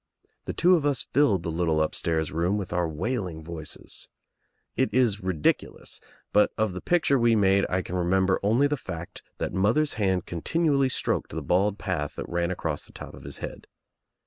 The two of us filled the little upstairs room with our wailing voices. It is ridiculous, but of the picture we made I can remember only the fact that mother's hand continually stroked the bald path that ran across the top of his head.